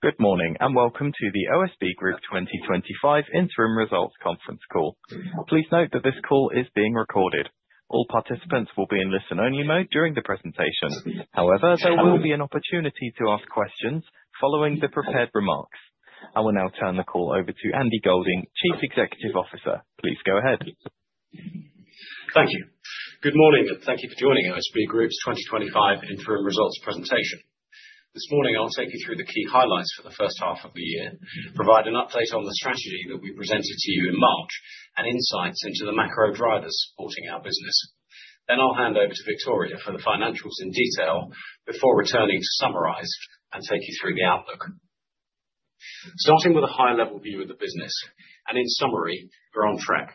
Good morning and welcome to the OSB Group 2025 Interim Results Conference call. Please note that this call is being recorded. All participants will be in listen-only mode during the presentation. However, there will be an opportunity to ask questions following the prepared remarks. I will now turn the call over to Andy Golding, Chief Executive Officer. Please go ahead. Thank you. Good morning and thank you for joining OSB Group's 2025 Interim Results Presentation. This morning, I'll take you through the key highlights for the first half of the year, provide an update on the strategy that we presented to you in March, and insights into the macro drivers supporting our business. I'll hand over to Victoria for the financials in detail before returning to summarize and take you through the outlook. Starting with a high-level view of the business, and in summary, we're on track.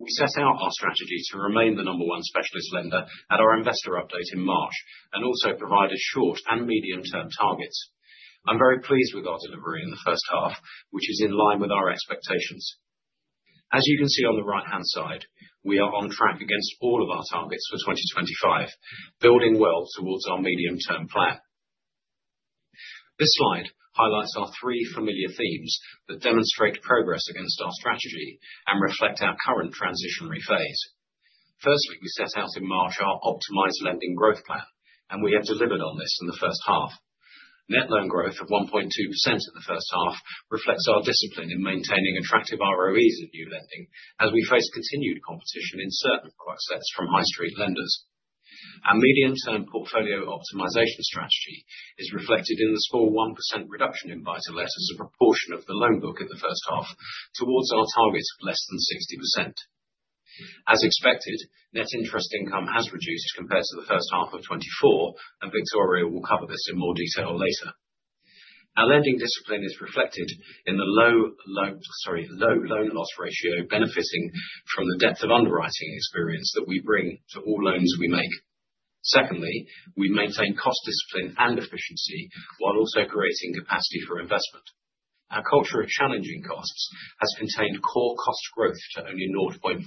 We set out our strategy to remain the number one specialist lender at our investor update in March and also provide a short and medium-term target. I'm very pleased with our delivery in the first half, which is in line with our expectations. As you can see on the right-hand side, we are on track against all of our targets for 2025, building well towards our medium-term plan. This slide highlights our three familiar themes that demonstrate progress against our strategy and reflect our current transitionary phase. Firstly, we set out in March our optimized lending growth plan, and we have delivered on this in the first half. Net loan growth of 1.2% in the first half reflects our discipline in maintaining attractive ROEs in new lending as we face continued competition in certain price sets from high-street lenders. Our medium-term portfolio optimization strategy is reflected in the small 1% reduction in buy-to-let as a portion of the loan book in the first half towards our targets of less than 60%. As expected, net interest income has reduced compared to the first half of 2024, and Victoria will cover this in more detail later. Our lending discipline is reflected in the low loan loss ratio, benefiting from the depth of underwriting experience that we bring to all loans we make. Secondly, we maintain cost discipline and efficiency while also creating capacity for investment. Our culture of challenging costs has contained core cost growth to only 0.4%.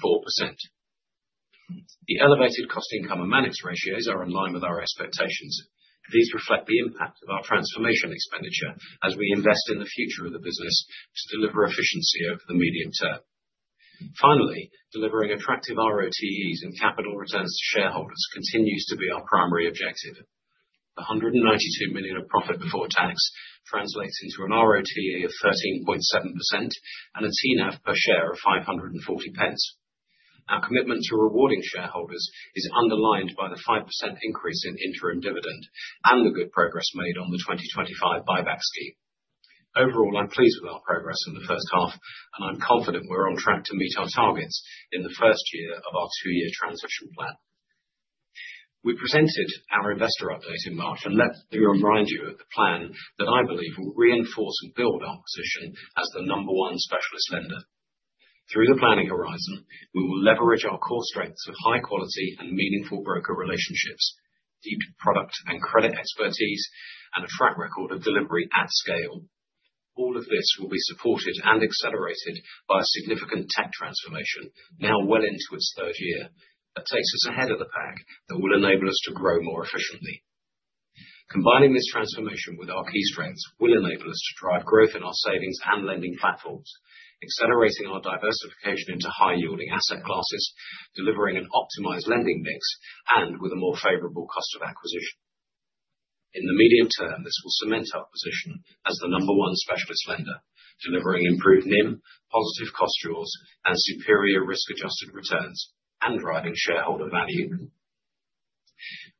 The elevated cost income and manage ratios are in line with our expectations. These reflect the impact of our transformation expenditure as we invest in the future of the business to deliver efficiency over the medium term. Finally, delivering attractive ROTEs and capital returns to shareholders continues to be our primary objective. The £192 million of profit before tax translates into an ROTE of 13.7% and a TNAV per share of 540 pence. Our commitment to rewarding shareholders is underlined by the 5% increase in interim dividend and the good progress made on the 2025 buyback scheme. Overall, I'm pleased with our progress in the first half, and I'm confident we're on track to meet our targets in the first year of our two-year transition plan. We presented our investor update in March, and let's remind you of the plan that I believe will reinforce and build our position as the number one specialist lender. Through the planning horizon, we will leverage our core strengths of high-quality and meaningful broker relationships, deep product and credit expertise, and a track record of delivery at scale. All of this will be supported and accelerated by a significant tech transformation now well into its third year that takes us ahead of the pack, that will enable us to grow more efficiently. Combining this transformation with our key strengths will enable us to drive growth in our savings and lending platforms, accelerating our diversification into high-yielding asset classes, delivering an optimized lending mix, and with a more favorable cost of acquisition. In the medium term, this will cement our position as the number one specialist lender, delivering improved NIM, positive cost draws, and superior risk-adjusted returns and driving shareholder value.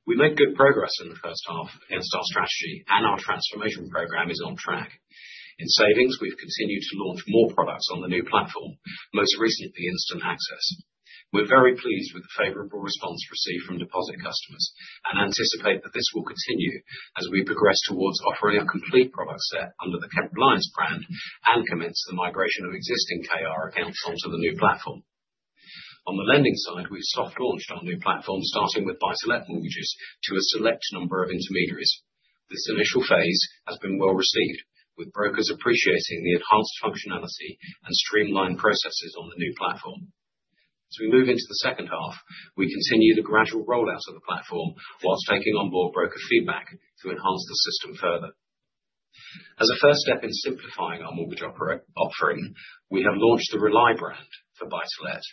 We make good progress in the first half against our strategy, and our transformation program is on track. In savings, we've continued to launch more products on the new platform, most recently Instant Access. We're very pleased with the favorable response received from deposit customers and anticipate that this will continue as we progress towards offering a complete product set under the Capital Lines brand and commence the migration of existing Kent Reliance accounts onto the new platform. On the lending side, we've soft-launched our new platform, starting with buy-to-let mortgages to a select number of intermediaries. This initial phase has been well received, with brokers appreciating the enhanced functionality and streamlined processes on the new platform. As we move into the second half, we continue the gradual rollout of the platform whilst taking on board broker feedback to enhance the system further. As a first step in simplifying our mortgage offering, we have launched the Rely brand for buy-to-let.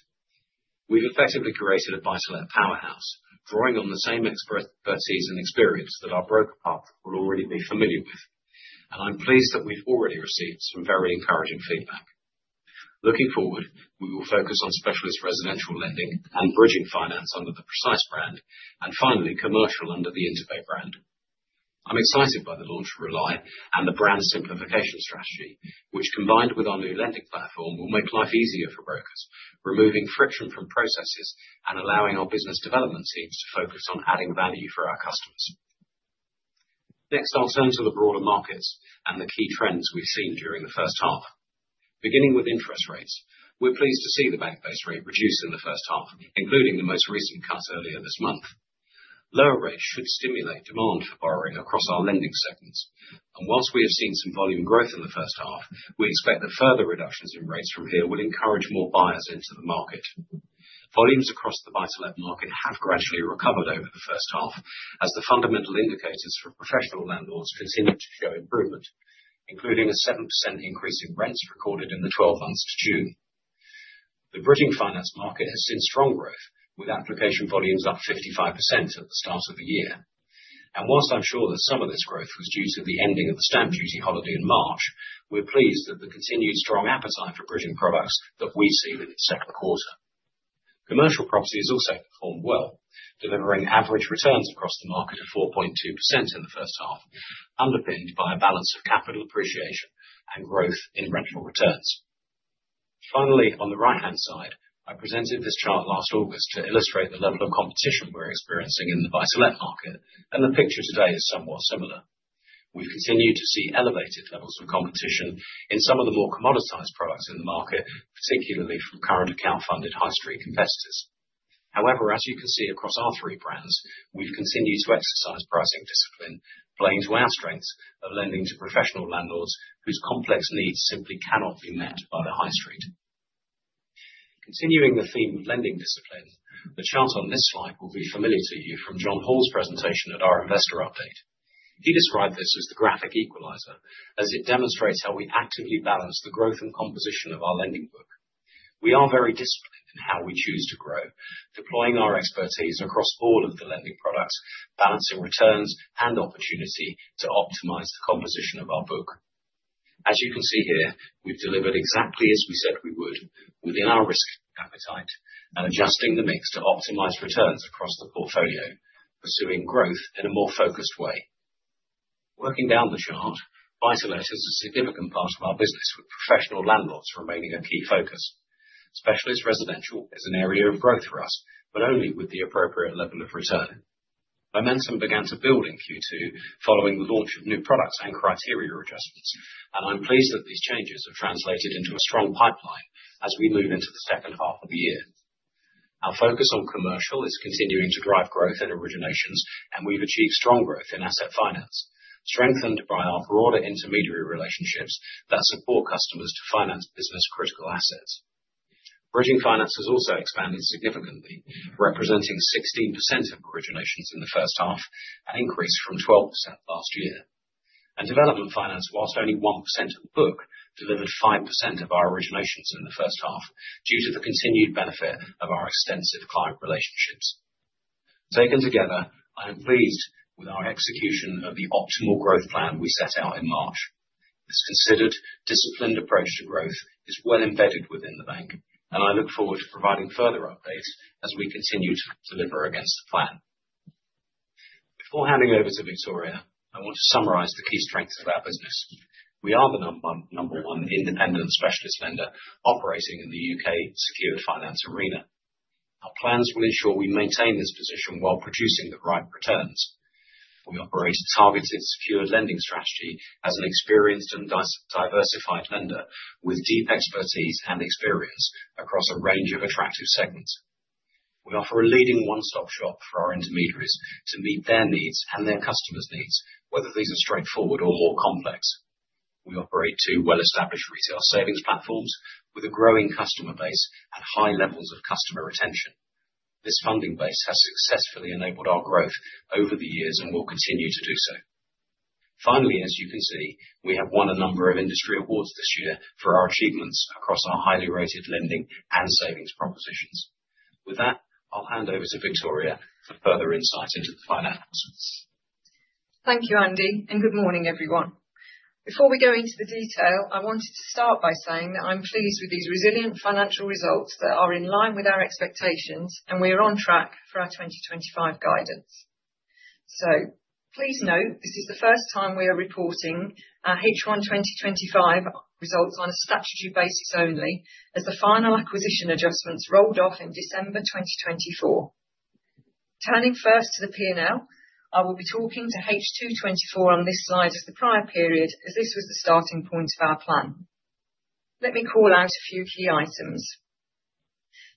We've effectively created a buy-to-let powerhouse, drawing on the same expertise and experience that our broker partners will already be familiar with. I'm pleased that we've already received some very encouraging feedback. Looking forward, we will focus on specialist residential lending and bridging finance under the Precise brand, and finally, commercial under the Interbay brand. I'm excited by the launch of Rely and the brand simplification strategy, which combined with our new lending platform will make life easier for brokers, removing friction from processes and allowing our business development teams to focus on adding value for our customers. Next, I'll turn to the broader markets and the key trends we've seen during the first half. Beginning with interest rates, we're pleased to see the bank base rate reduced in the first half, including the most recent cut earlier this month. Lower rates should stimulate demand for borrowing across our lending segments. Whilst we have seen some volume growth in the first half, we expect that further reductions in rates from here will encourage more buyers into the market. Volumes across the buy-to-let market have gradually recovered over the first half as the fundamental indicators for professional landlords continue to show improvement, including a 7% increase in rents recorded in the 12 months to June. The bridging finance market has seen strong growth, with application volumes up 55% at the start of the year. Whilst I'm sure that some of this growth was due to the ending of the stamp duty holiday in March, we're pleased that the continued strong appetite for bridging products that we've seen in the second quarter. Commercial properties also performed well, delivering average returns across the market of 4.2% in the first half, underpinned by a balance of capital appreciation and growth in rental returns. Finally, on the right-hand side, I presented this chart last August to illustrate the level of competition we're experiencing in the buy-to-let market, and the picture today is somewhat similar. We continue to see elevated levels of competition in some of the more commoditized products in the market, particularly from current account-funded high-street investors. However, as you can see across all three brands, we continue to exercise pricing discipline, playing to our strengths of lending to professional landlords whose complex needs simply cannot be met by the high street. Continuing the theme of lending discipline, the chart on this slide will be familiar to you from John Hall's presentation at our investor update. He described this as the graphic equalizer, as it demonstrates how we actively balance the growth and composition of our lending book. We are very disciplined in how we choose to grow, deploying our expertise across all of the lending products, balancing returns and opportunity to optimize the composition of our book. As you can see here, we've delivered exactly as we said we would, within our risk appetite and adjusting the mix to optimize returns across the portfolio, pursuing growth in a more focused way. Working down the chart, buy-to-let is a significant part of our business, with professional landlords remaining a key focus. Specialist residential is an area of growth for us, but only with the appropriate level of return. Dimension began to build in Q2 following the launch of new products and criteria adjustments, and I'm pleased that these changes have translated into a strong pipeline as we move into the second half of the year. Our focus on commercial is continuing to drive growth in originations, and we've achieved strong growth in asset finance, strengthened by our broader intermediary relationships that support customers to finance business-critical assets. Bridging finance has also expanded significantly, representing 16% of originations in the first half, an increase from 12% last year. Development finance, whilst only 1% of the book, delivered 5% of our originations in the first half due to the continued benefit of our extensive client relationships. Taken together, I'm pleased with our execution of the optimal growth plan we set out in March. This considered, disciplined approach to growth is well embedded within the bank, and I look forward to providing further updates as we continue to deliver against the plan. Before handing over to Victoria, I want to summarize the key strengths of our business. We are the number one independent specialist lender operating in the UK secured finance arena. Our plans will ensure we maintain this position while producing the right returns. We operate a targeted secured lending strategy as an experienced and diversified lender with deep expertise and experience across a range of attractive segments. We offer a leading one-stop shop for our intermediaries to meet their needs and their customers' needs, whether these are straightforward or more complex. We operate two well-established retail savings platforms with a growing customer base and high levels of customer retention. This funding base has successfully enabled our growth over the years and will continue to do so. Finally, as you can see, we have won a number of industry awards this year for our achievements across our highly rated lending and savings propositions. With that, I'll hand over to Victoria Hyde for further insights into the finance. Thank you, Andy, and good morning, everyone. Before we go into the detail, I wanted to start by saying that I'm pleased with these resilient financial results that are in line with our expectations, and we're on track for our 2025 guidance. Please note this is the first time we are reporting our H1 2025 results on a strategy basis only, as the final acquisition adjustments rolled off in December 2024. Turning first to the P&L, I will be talking to H2 2024 on this slide for the prior period, as this was the starting point of our plan. Let me call out a few key items.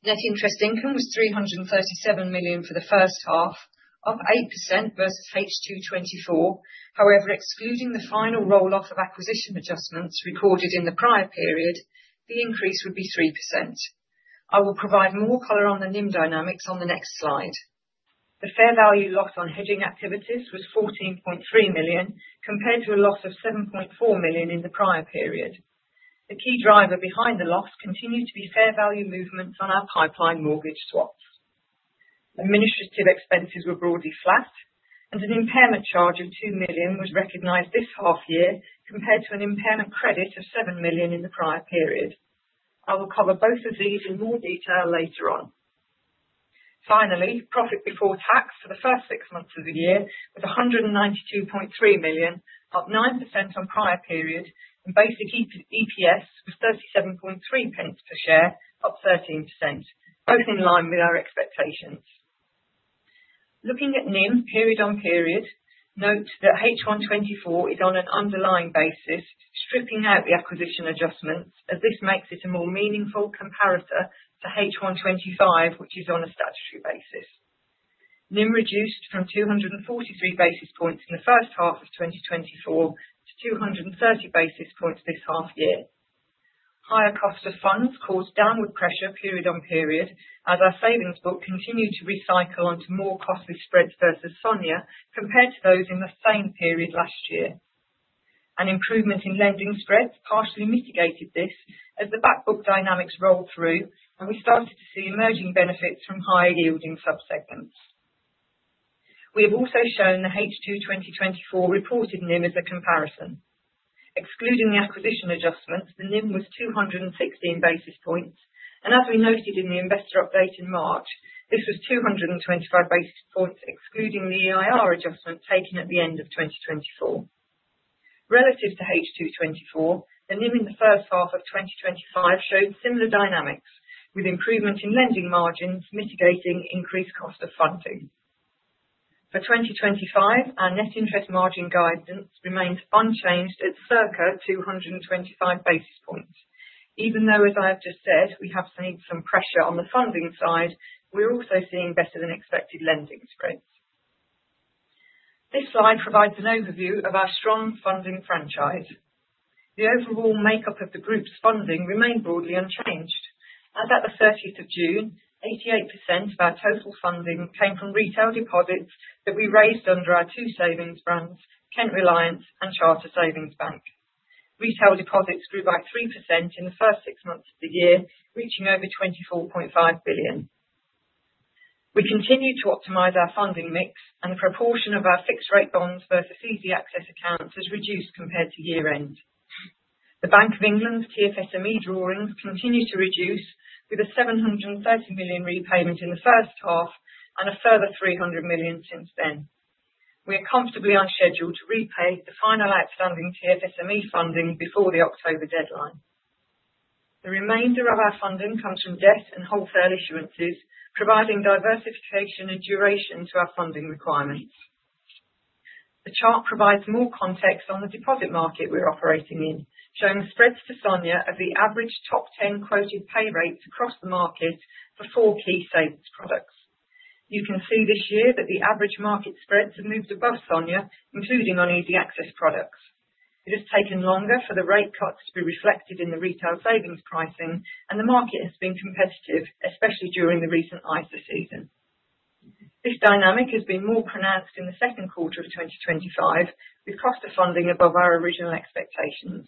Net interest income is £337 million for the first half, up 8% versus H2 2024. However, excluding the final roll-off of acquisition adjustments recorded in the prior period, the increase would be 3%. I will provide more color on the NIM dynamics on the next slide. The fair value loss on hedging activities was £14.3 million compared to a loss of £7.4 million in the prior period. The key driver behind the loss continues to be fair value movements on our pipeline mortgage swaps. Administrative expenses were broadly flat, and an impairment charge of £2 million was recognized this half year compared to an impairment credit of £7 million in the prior period. I will cover both of these in more detail later on. Finally, profit before tax for the first six months of the year was £192.3 million, up 9% on prior period, and basic EPS was 37.3 pence per share, up 13%, both in line with our expectations. Looking at NIM period on period, note that H1 2024 is on an underlying basis, stripping out the acquisition adjustments, as this makes it a more meaningful comparator to H1 2025, which is on a statutory basis. NIM reduced from 243 basis points in the first half of 2024 to 230 basis points this half year. Higher cost of funds caused downward pressure period on period, as our savings book continued to recycle onto more costly spreads versus SONIA compared to those in the same period last year. An improvement in lending spreads partially mitigated this as the backbook dynamics rolled through, and we started to see emerging benefits from higher yielding subsegments. We have also shown the H2 2024 reported NIM as a comparison. Excluding the acquisition adjustments, the NIM was 216 basis points, and as we noted in the investor update in March, this was 225 basis points excluding the EIR adjustment taken at the end of 2024. Relative to H2 2024, the NIM in the first half of 2025 showed similar dynamics, with improvements in lending margins mitigating increased cost of funding. For 2025, our net interest margin guidance remains unchanged at circa 225 basis points, even though, as I have just said, we have seen some pressure on the funding side. We're also seeing better than expected lending spreads. This slide provides an overview of our strong funding franchise. The overall makeup of the group's funding remained broadly unchanged. As at the 30th of June, 88% of our total funding came from retail deposits that we raised under our two savings brands, Kent Reliance and Charter Savings Bank. Retail deposits grew by 3% in the first six months of the year, reaching over £24.5 billion. We continue to optimize our funding mix, and the proportion of our fixed-rate bonds versus easy access accounts has reduced compared to year-end. The Bank of England's TFSME drawings continue to reduce, with a £730 million repayment in the first half and a further £300 million since then. We're comfortably on schedule to repay the final outstanding TFSME funding before the October deadline. The remainder of our funding comes from debt and wholesale issuances, providing diversification and duration to our funding requirements. The chart provides more context on the deposit market we're operating in, showing spreads to SONIA of the average top 10 quoted pay rates across the market for four key savings products. You can see this year that the average market spreads have moved above SONIA, including on easy access products. It has taken longer for the rate cuts to be reflected in the retail savings pricing, and the market has been competitive, especially during the recent ISA season. This dynamic has been more pronounced in the second quarter of 2025, with cost of funding above our original expectations.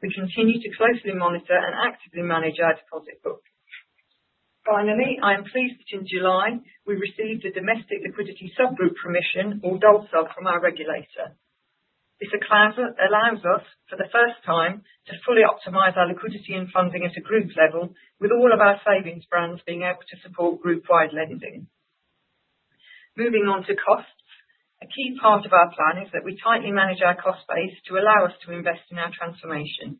We continue to closely monitor and actively manage our deposit book. Finally, I am pleased that in July, we received a domestic liquidity subgroup permission, or DOLSA, from our regulator. This allows us, for the first time, to fully optimize our liquidity and funding at a group level, with all of our savings brands being able to support group-wide lending. Moving on to costs, a key part of our plan is that we tightly manage our cost base to allow us to invest in our transformation.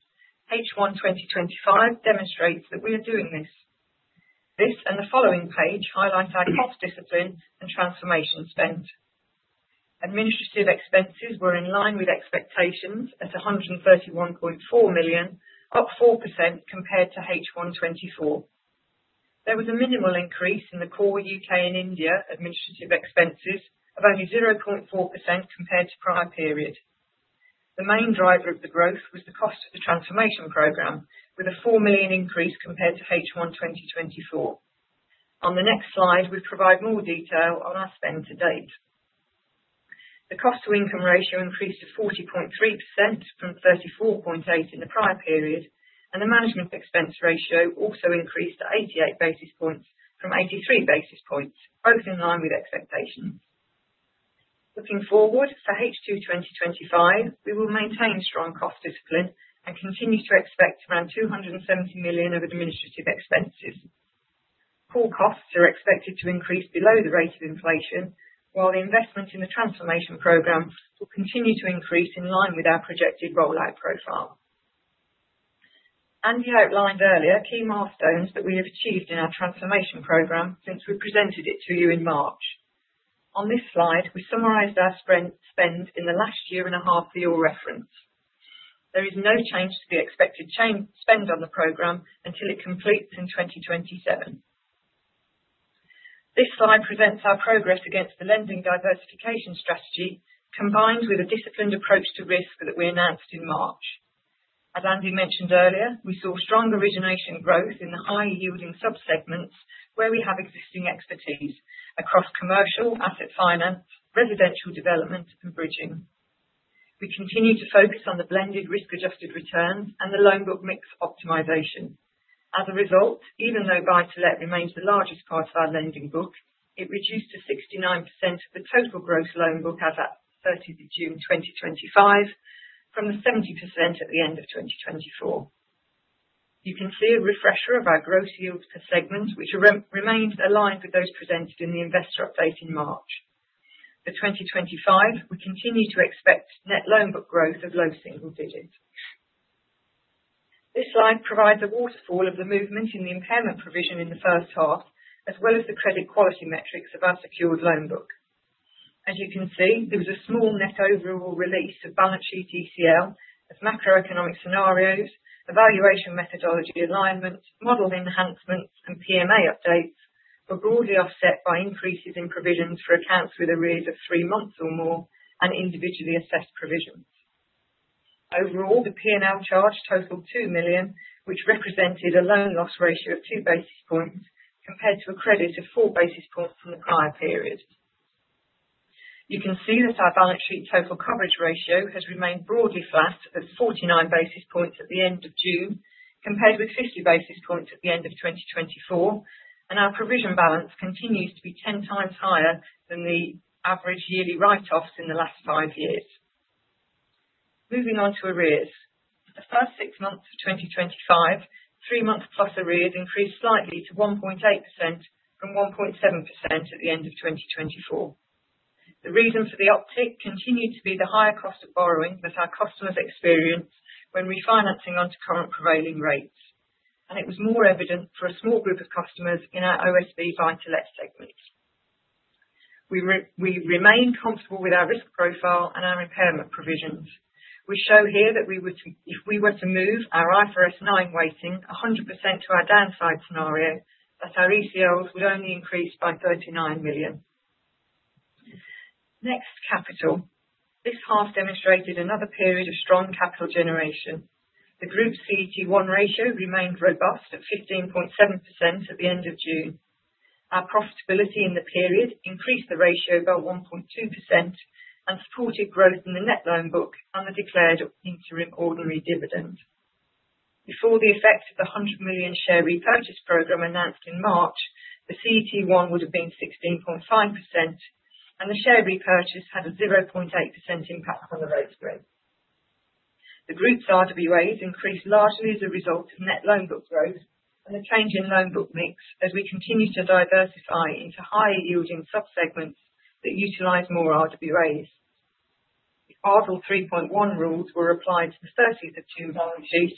H1 2025 demonstrates that we are doing this. This and the following page highlight our cost discipline and transformation spend. Administrative expenses were in line with expectations at £131.4 million, up 4% compared to H1 2024. There was a minimal increase in the core UK and India administrative expenses of only 0.4% compared to the prior period. The main driver of the growth was the cost of the transformation program, with a £4 million increase compared to H1 2024. On the next slide, we provide more detail on our spend to date. The cost-to-income ratio increased to 40.3% from 34.8% in the prior period, and the management expense ratio also increased to 88 basis points from 83 basis points, both in line with expectations. Looking forward to H2 2025, we will maintain strong cost discipline and continue to expect around £270 million of administrative expenses. Core costs are expected to increase below the rate of inflation, while the investment in the transformation program will continue to increase in line with our projected rollout profile. Andy Golding outlined earlier key milestones that we have achieved in our transformation program since we presented it to you in March. On this slide, we summarized our spend in the last year and a half for your reference. There is no change to the expected spend on the program until it completes in 2027. This slide presents our progress against the lending diversification strategy, combined with a disciplined approach to risk that we announced in March. As Andy mentioned earlier, we saw strong origination growth in the high-yielding subsegments where we have existing expertise across commercial, asset finance, residential development, and bridging finance. We continue to focus on the blended risk-adjusted returns and the loan book mix optimization. As a result, even though buy-to-let remains the largest part of our lending book, it reduced to 69% of the total gross loan book as of 30th of June 2025, from 70% at the end of 2024. You can see a refresher of our gross yields per segment, which remains aligned with those presented in the investor update in March. For 2025, we continue to expect net loan book growth of low single digits. This slide provides a waterfall of the movement in the impairment provision in the first half, as well as the credit quality metrics of our secured loan book. As you can see, there was a small net overall release of balance sheet ECL, as macroeconomic scenarios, evaluation methodology alignment, model enhancements, and PMA updates were broadly offset by increases in provisions for accounts with arrears of three months or more and individually assessed provisions. Overall, the P&L charge totaled £2 million, which represented a loan loss ratio of 2 bps compared to a credit of 4 bps from the prior period. You can see that our balance sheet total coverage ratio has remained broadly flat at 49 bps at the end of June, compared with 50 bps at the end of 2024, and our provision balance continues to be 10x higher than the average yearly write-offs in the last five years. Moving on to arrears, for the first six months of 2025, three-month plus arrears increased slightly to 1.8% from 1.7% at the end of 2024. The reason for the uptick continued to be the higher cost of borrowing as our customers experienced when refinancing onto current prevailing rates, and it was more evident for a small group of customers in our OSB Group buy-to-let segments. We remain comfortable with our risk profile and our impairment provisions, which show here that if we were to move our IFRS 9 weighting 100% to our downside scenario, that our ECLs would only increase by £39 million. Next, capital. This half demonstrated another period of strong capital generation. The group CET1 capital ratio remained robust at 15.7% at the end of June. Our profitability in the period increased the ratio by 1.2% and supported growth in the net loan book and the declared interim ordinary dividend. Before the effects of the £100 million share buyback program announced in March, the CET1 would have been 16.5%, and the share buyback had a 0.8% impact on the rate spread. The group's RWAs increased largely as a result of net loan book growth and the change in loan book mix as we continue to diversify into higher yielding subsegments that utilize more RWAs. The Basel 3.1 rules were applied to the 30th of June balances.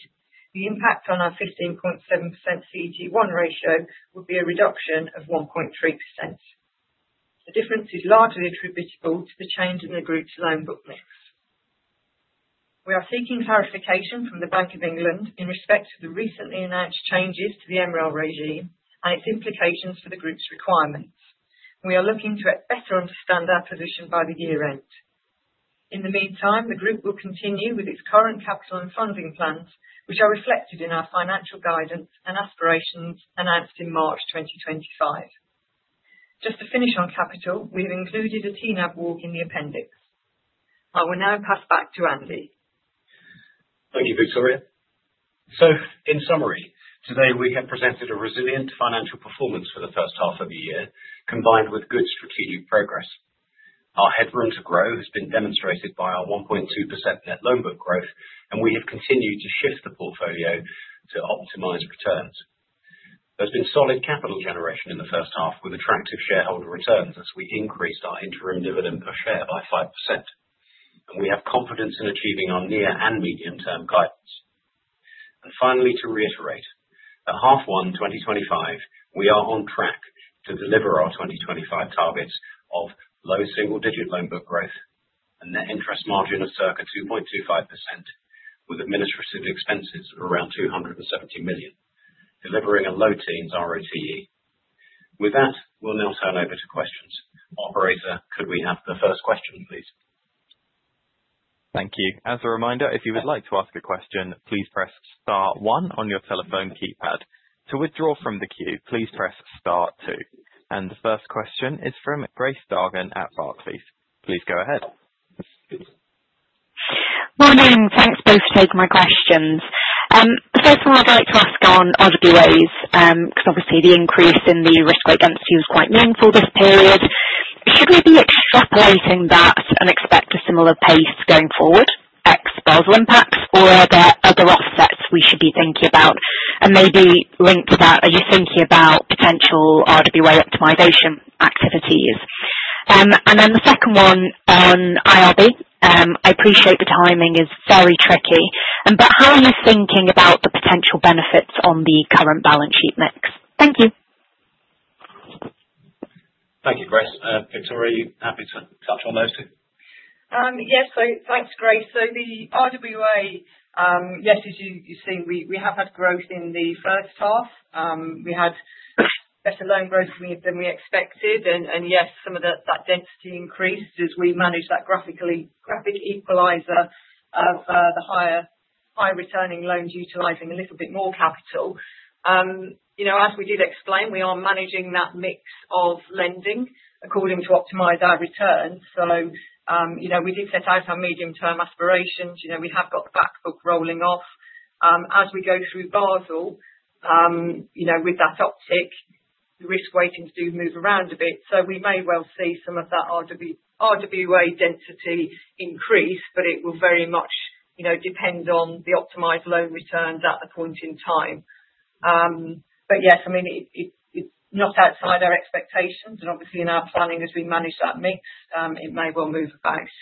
The impact on our 15.7% CET1 capital ratio would be a reduction of 1.3%. The difference is largely attributable to the change in the group's loan book mix. We are seeking clarification from the Bank of England in respect to the recently announced changes to the MREL requirements and its implications for the group's requirements. We are looking to better understand our position by the year-end. In the meantime, the group will continue with its current capital and funding plans, which are reflected in our financial guidance and aspirations announced in March 2025. Just to finish on capital, we have included a TNAB walk in the appendix. I will now pass back to Andy. Thank you, Victoria. In summary, today we have presented a resilient financial performance for the first half of the year, combined with good strategic progress. Our headroom to grow has been demonstrated by our 1.2% net loan book growth, and we have continued to shift the portfolio to optimize returns. There has been solid capital generation in the first half with attractive shareholder returns as we increased our interim dividend per share by 5%. We have confidence in achieving our near and medium-term guidance. Finally, to reiterate, at half one 2025, we are on track to deliver our 2025 targets of low single-digit loan book growth and net interest margin of circa 2.25%, with administrative expenses of around £270 million, delivering a low-teens ROTE. With that, we'll now turn over to questions. Operator, could we have the first question, please? Thank you. As a reminder, if you would like to ask a question, please press Star, one on your telephone keypad. To withdraw from the queue, please press Star, two. The first question is from Grace Dargan at Barclays. Please go ahead. Morning. Thanks for taking my questions. First on RWAs, because obviously the increase in the risk weight density was quite meaningful this period, specifically exacerbating that unexpected similar pace going forward, expels remnants, or are there other upsets we should be thinking about? Maybe link that, are you thinking about potential RWA optimization activities? The second one, IRB, I appreciate the timing is very tricky, but how are you thinking about the potential benefits on the current balance sheet mix? Thank you. Thank you, Grace. Victoria, are you happy to touch on those too? Yes, so thanks, Grace. The RWA, yes, as you see, we have had growth in the first half. We had better loan growth than we expected, and some of that density increased as we managed that graphical equalizer of the higher, higher returning loans utilizing a little bit more capital. As we did explain, we are managing that mix of lending according to optimize our returns. We did set out our medium-term aspirations. We have got the backbook rolling off. As we go through Basel, with that uptick, the risk weightings do move around a bit, so we may well see some of that RWA density increase, but it will very much depend on the optimized loan returns at the point in time. It's not outside our expectations, and obviously in our planning as we manage that mix, it may well move about.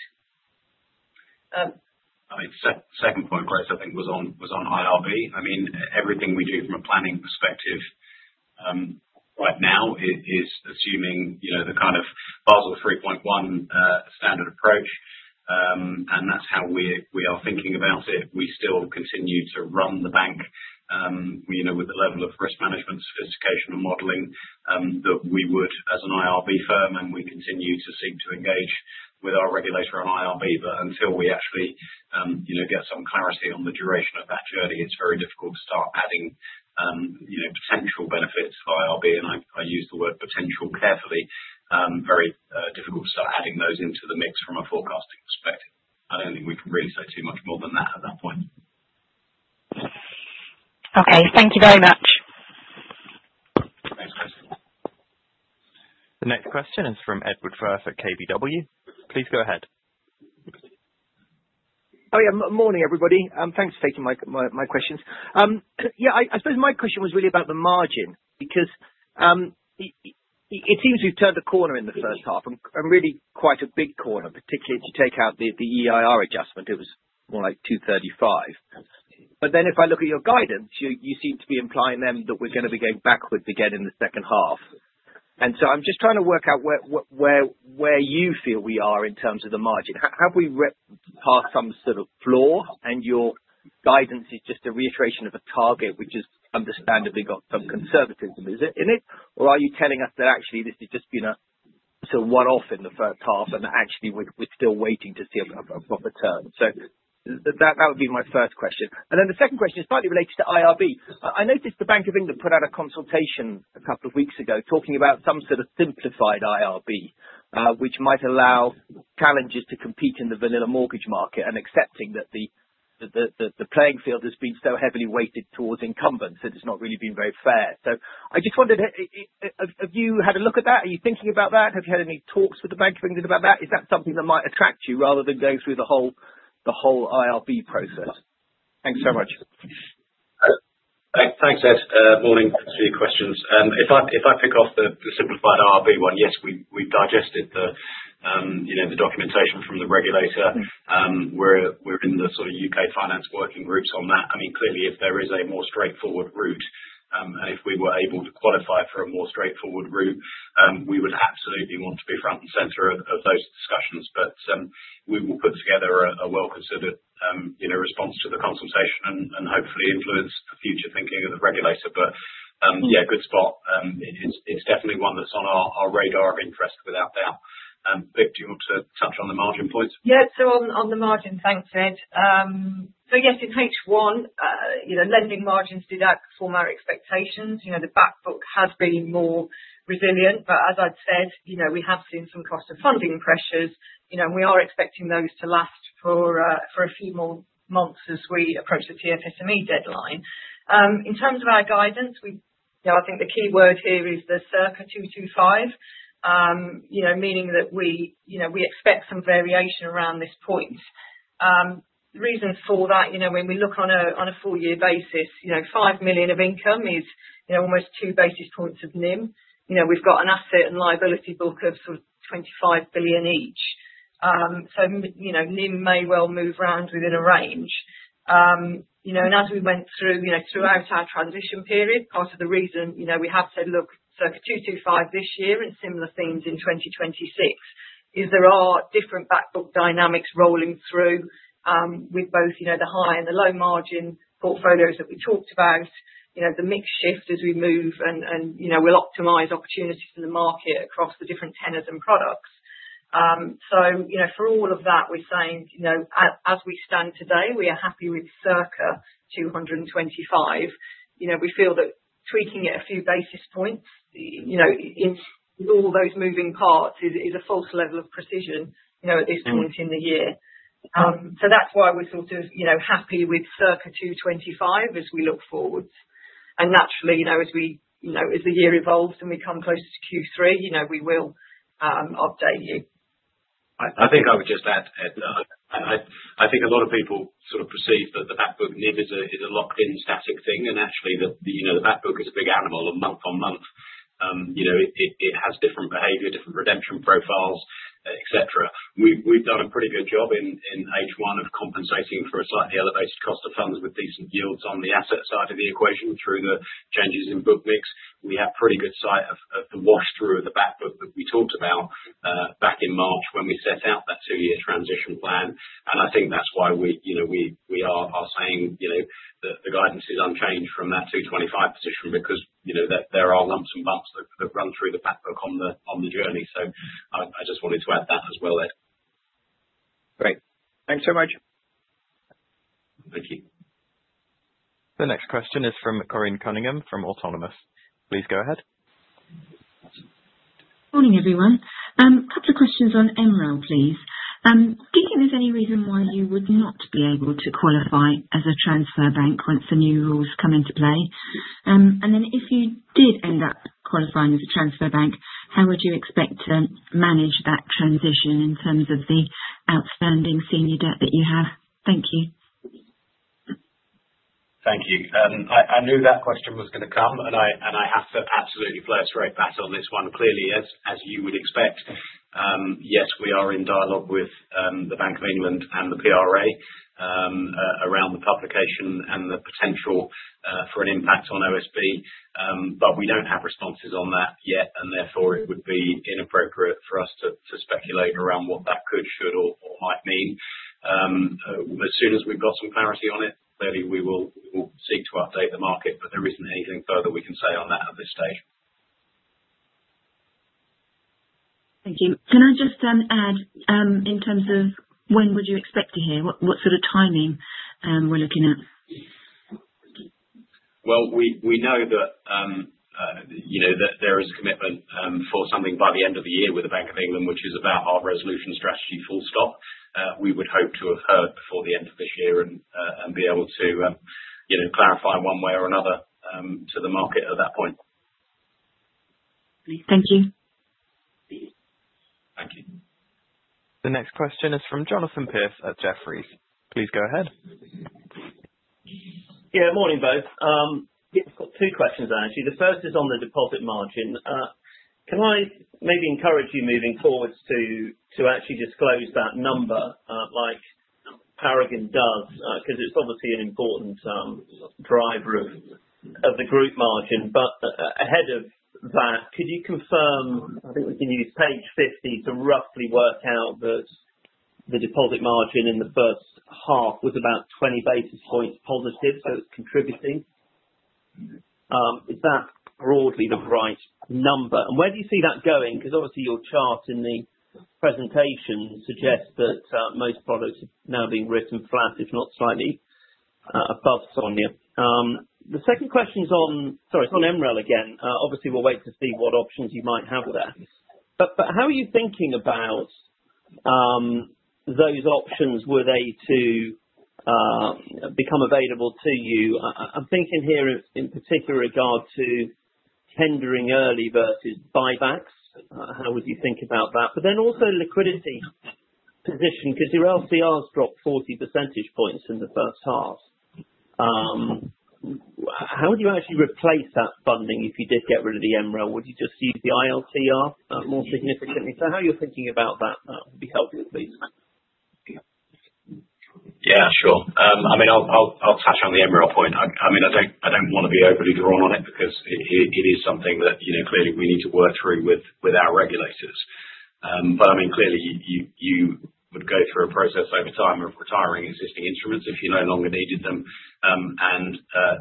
Second point, Grace, I think was on IRB. Everything we do from a planning perspective right now is assuming the kind of Basel 3.1 standard approach, and that's how we are thinking about it. We still continue to run the bank with the level of risk management, sophistication, and modeling that we would as an IRB firm, and we continue to seek to engage with our regulator on IRB. Until we actually get some clarity on the duration of that journey, it's very difficult to start adding potential benefits for IRB, and I use the word potential carefully. It is very difficult to start adding those into the mix from a forecasting perspective. I don't think we can really say too much more than that at that point. Okay, thank you very much. The next question is from Edward Firth at KBW. Please go ahead. Oh, yeah. Morning, everybody. Thanks for taking my questions. I suppose my question was really about the margin because it seems we've turned the corner in the first half, and really quite a big corner, particularly to take out the EIR adjustment. It was more like 235. If I look at your guidance, you seem to be implying that we're going to be going backwards again in the second half. I'm just trying to work out where you feel we are in terms of the margin. Have we passed some sort of floor, and your guidance is just a reiteration of a target, which has understandably got some conservatism in it, or are you telling us that actually this has just been a sort of one-off in the first half and that actually we're still waiting to see a proper turn? That would be my first question. The second question is slightly related to IRB. I noticed the Bank of England put out a consultation a couple of weeks ago talking about some sort of simplified IRB, which might allow challengers to compete in the vanilla mortgage market and accepting that the playing field has been so heavily weighted towards incumbents that it's not really been very fair. I just wondered, have you had a look at that? Are you thinking about that? Have you had any talks with the Bank of England about that? Is that something that might attract you rather than going through the whole IRB process? Thanks so much. Thanks, Ed. Morning to your questions. If I pick off the simplified IRB one, yes, we've digested the documentation from the regulator. We've been the sort of UK Finance working groups on that. I mean, clearly, if there is a more straightforward route, and if we were able to qualify for a more straightforward route, we would absolutely want to be front and center of those discussions. We will put together a well-considered response to the consultation and hopefully influence the future thinking of the regulator. Yeah, good spot. It's definitely one that's on our radar of interest, without doubt. You want to touch on the margin points? Yeah, so on the margin, thanks, Ed. Yes, in H1, lending margins did outperform our expectations. The backbook has been more resilient, but as I've said, we have seen some cost of funding pressures, and we are expecting those to last for a few more months as we approach the TFSME deadline. In terms of our guidance, I think the key word here is the circa 225, meaning that we expect some variation around this point. The reason for that, when we look on a four-year basis, £5 million of income is almost two basis points of NIM. We've got an asset and liability book of sort of £25 billion each. NIM may well move around within a range. As we went through our transition period, part of the reason we have said, look, circa 225 this year and similar themes in 2026, is there are different backbook dynamics rolling through with both the high and the low margin portfolios that we talked about, the mix shift as we move, and we'll optimize opportunities in the market across the different tenors and products. For all of that, we're saying as we stand today, we are happy with circa 225. We feel that tweaking it a few basis points, with all those moving parts, is a false level of precision at this point in the year. That's why we're happy with circa 225 as we look forwards. Naturally, as the year evolves and we come closer to Q3, we will update you. I think I would just add, Ed, I think a lot of people sort of perceive that the backbook NIM is a locked-in static thing, and actually, you know, the backbook is a big animal month on month. It has different behavior, different credential profiles, et cetera. We've done a pretty good job in H1 of compensating for a slightly elevated cost of funds with decent yields on the asset side of the equation through the changes in book mix. We have pretty good sight of the wash-through of the backbook that we talked about back in March when we set out that two-year transition plan. I think that's why we are saying that the guidance is unchanged from that 225 position because there are lumps and bumps that run through the backbook on the journey. I just wanted to add that as well, Ed. Great. Thanks so much. The next question is from Corinne Cunningham from Autonomous. Please go ahead. Morning, everyone. A couple of questions on MREL, please. Do you think there's any reason why you would not be able to qualify as a transfer bank once the new rules come into play? If you did end up qualifying as a transfer bank, how would you expect to manage that transition in terms of the outstanding senior debt that you have? Thank you. Thank you. I knew that question was going to come, and I have to absolutely float straight back on this one. Clearly, as you would expect, yes, we are in dialogue with the Bank of England and the PRA around the publication and the potential for an impact on OSB, but we don't have responses on that yet, and therefore it would be inappropriate for us to speculate around what that could, should, or might mean. As soon as we've got some clarity on it, clearly we will seek to update the market, but there isn't anything further we can say on that at this stage. Thank you. Can I just add, in terms of when would you expect to hear, what sort of timing we're looking at? There is commitment for something by the end of the year with the Bank of England, which is about our resolution strategy, full stop. We would hope to have heard before the end of this year and be able to, you know, clarify one way or another to the market at that point. Thank you. The next question is from Jonathan Pierce at Jefferies. Please go ahead. Yeah, morning both. I've got two questions, actually. The first is on the deposit margin. Can I maybe encourage you moving forward to actually disclose that number like Harrigan does? It's obviously an important driver of the group margin. Ahead of that, could you confirm, I think we can use page 50 to roughly work out that the deposit margin in the first half was about 20 bps+, so it's contributing. Is that broadly the right number? Where do you see that going? Your chart in the presentation suggests that most products are now being written flat, if not slightly above Sonia. The second question is on MREL again. We'll wait to see what options you might have with that. How are you thinking about those options, were they to become available to you? I'm thinking here in particular regard to tendering early versus buybacks. How would you think about that? Also, liquidity position, because your LPRs dropped 40% in the first half. How would you actually replace that funding if you did get rid of the MREL? Would you just use the ILTR more significantly? How are you thinking about that? That would be helpful, please. Yeah, sure. I'll touch on the MREL point. I don't want to be overly drawn on it because it is something that, you know, clearly we need to work through with our regulators. Clearly you would go through a process over time of retiring existing instruments if you no longer needed them.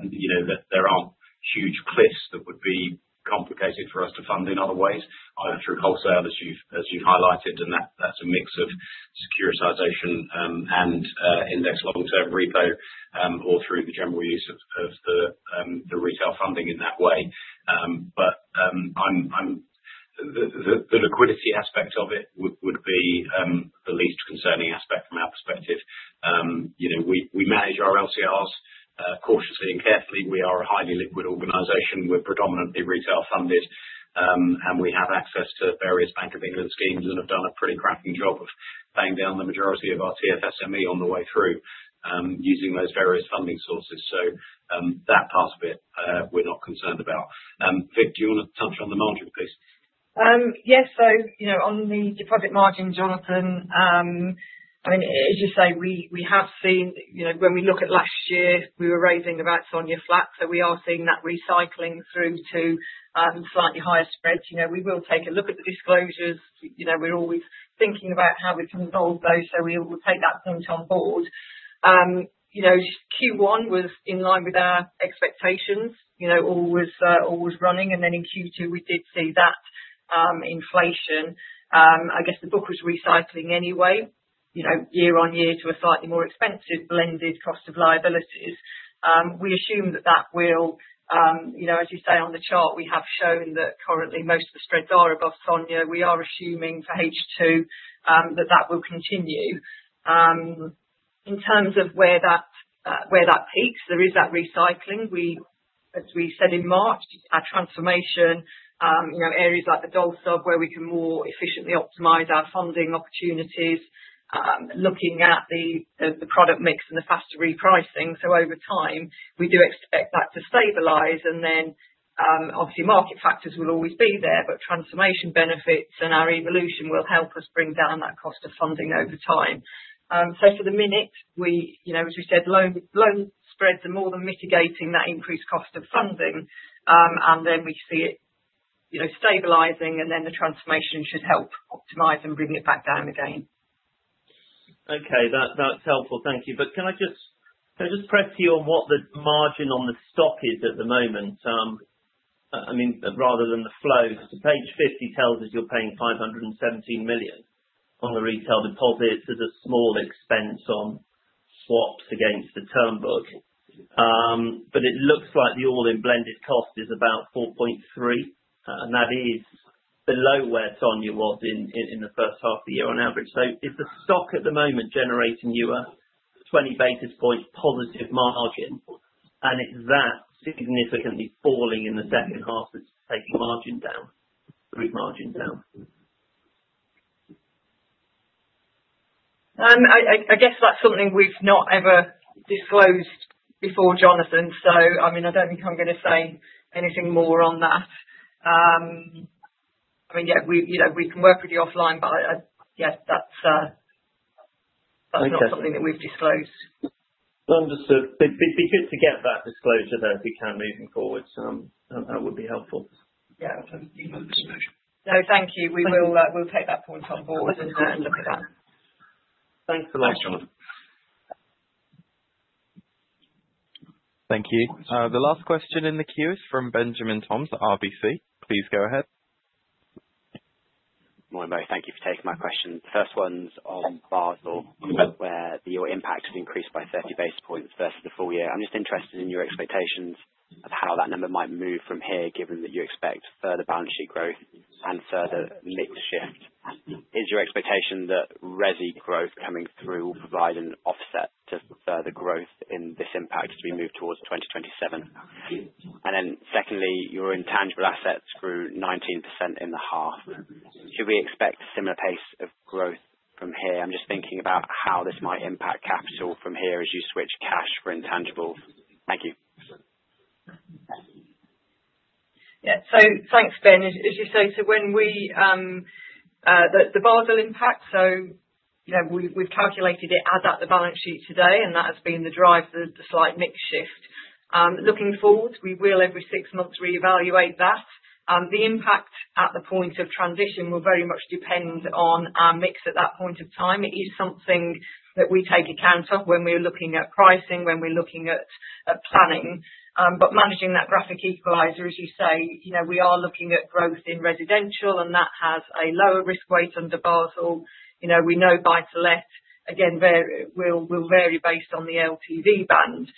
You know that there aren't huge cliffs that would be complicated for us to fund in other ways, either through wholesale as you've highlighted, and that's a mix of securitization and index long-term repo, or through the general use of the retail funding in that way. The liquidity aspect of it would be the least concerning aspect from our perspective. You know, we manage our LCRs cautiously and carefully. We are a highly liquid organization. We're predominantly retail funded, and we have access to various Bank of England schemes and have done a pretty cracking job of paying down the majority of our TFSME on the way through using those various funding sources. That part of it we're not concerned about. Vic, do you want to touch on the margin, please? Yes. On the deposit margin, Jonathan, as you say, we have seen, when we look at last year, we were raising about SONIA flat. We are seeing that recycling through to slightly higher spreads. We will take a look at the disclosures. We're always thinking about how we can involve those, so we'll take that point on board. Q1 was in line with our expectations, all was running. In Q2, we did see that inflation. I guess the book was recycling anyway, year on year to a slightly more expensive blended cost of liabilities. We assume that will, as you say on the chart, we have shown that currently most of the spreads are above SONIA. We are assuming for H2 that will continue. In terms of where that peaks, there is that recycling. As we said in March, our transformation, areas like the DOLSA where we can more efficiently optimize our funding opportunities, looking at the product mix and the faster repricing. Over time, we do expect that to stabilize. Obviously, market factors will always be there, but transformation benefits and our evolution will help us bring down that cost of funding over time. For the minute, as we said, loan spreads are more than mitigating that increased cost of funding. We see it stabilizing, and the transformation should help optimize and bring it back down again. Okay, that's helpful. Thank you. Can I just press you on what the margin on the stock is at the moment? I mean, rather than the flows, page 50 tells us you're paying £517 million on the retail deposit. It's a small expense on swaps against the term book. It looks like the all-in blended cost is about 4.3%, and that is below where SONIA was in the first half of the year on average. Is the stock at the moment generating you a 20 bps+ margin? Is that significantly falling in the debt and has to take margin down, boost margin down. I guess that's something we've not ever disclosed before, Jonathan. I don't think I'm going to say anything more on that. We can work with you offline, but yes, that's not something that we've disclosed. Understood. It'd be good to get that disclosure though if you can moving forward. That would be helpful. Absolutely. Thank you. We will take that point on board and look at that. Thanks so much, George. Thank you. The last question in the queue is from Benjamin Toms at RBC. Please go ahead. Morning both. Thank you for taking my question. The first one's on Basel, given where your impact has increased by 30 bps versus the full year. I'm just interested in your expectations of how that number might move from here, given that you expect further balance sheet growth and further mix shift. Is your expectation that resi growth coming through will provide an offset to further growth in this impact as we move towards 2027? Secondly, your intangible assets grew 19% in the half. Should we expect a similar pace of growth from here? I'm just thinking about how this might impact capital from here as you switch cash for intangibles. Thank you. Thanks, Ben. As you say, when we, the Basel impact, we've calculated it as at the balance sheet today, and that has been the drive for the slight mix shift. Looking forward, we will every six months reevaluate that. The impact at the point of transition will very much depend on our mix at that point of time. It is something that we take account of when we're looking at pricing, when we're looking at planning. Managing that graphic equalizer, as you say, we are looking at growth in residential, and that has a lower risk weight under Basel. We know buy-to-let, again, will vary based on the LTV band.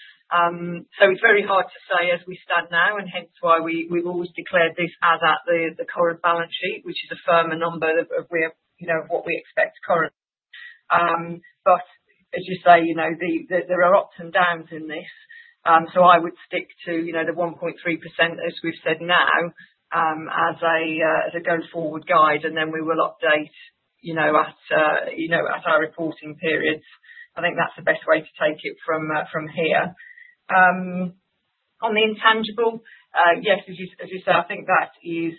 It's very hard to say as we stand now, which is why we've always declared this as at the current balance sheet, which is a firmer number of what we expect currently. As you say, there are ups and downs in this. I would stick to the 1.3% as we've said now as a go-forward guide, and then we will update as our reporting periods. I think that's the best way to take it from here. On the intangible, as you say, I think that is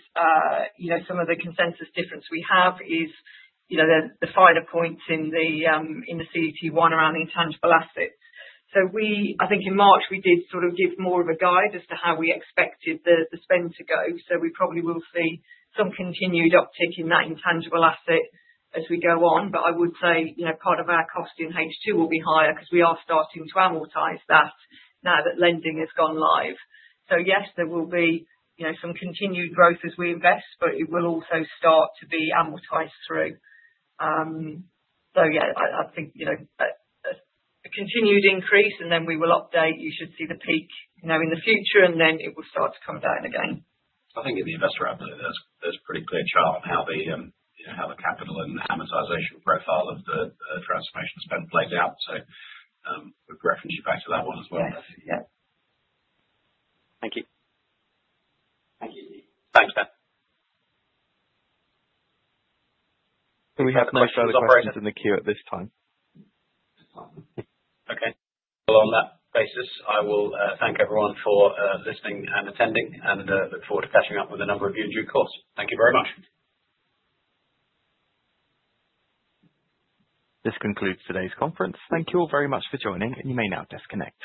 some of the consensus difference we have, the finer points in the CET1 around the intangible assets. In March, we did give more of a guide as to how we expected the spend to go. We probably will see some continued uptake in that intangible asset as we go on. I would say part of our cost in H2 will be higher because we are starting to amortize that now that lending has gone live. There will be some continued growth as we invest, but it will also start to be amortized through. I think a continued increase, and then we will update. You should see the peak in the future, and then it will start to come down again. I think that's a pretty clear chart of how the capital and the sensitization profile of the transformation spend plays out. We'll reference you back to that one as well. Thank you. Thanks, Ben. Do we have no further questions in the queue at this time? Okay. On that basis, I will thank everyone for listening and attending, and look forward to catching up with a number of you, of course. Thank you very much. This concludes today's conference. Thank you all very much for joining, and you may now disconnect.